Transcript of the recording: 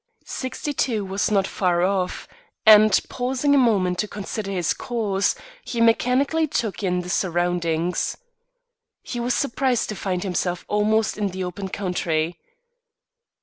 Sixty two was not far off, and, pausing a moment to consider his course, he mechanically took in the surroundings. He was surprised to find himself almost in the open country.